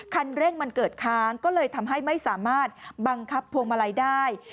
คันเร่งมันเกิดค้างก็เลยทำให้ไม่สามารถบังคับพวงมาลัยได้